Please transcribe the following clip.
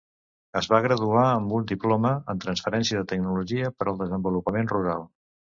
Es va graduar amb un Diploma en Transferència de Tecnologia per al Desenvolupament Rural.